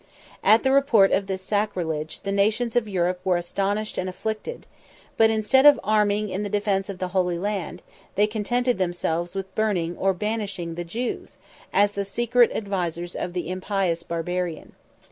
At the report of this sacrilege, the nations of Europe were astonished and afflicted: but instead of arming in the defence of the Holy Land, they contented themselves with burning, or banishing, the Jews, as the secret advisers of the impious Barbarian.